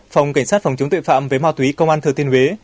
phòng cảnh sát phòng chống tội phạm với mao tùy công an thờ tiên huế